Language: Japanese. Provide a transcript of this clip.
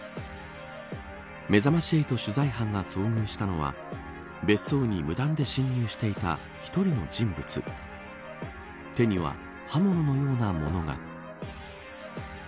めざまし８取材班が遭遇したのは別荘に無断で侵入していた１人の人物手には刃物のようなものが。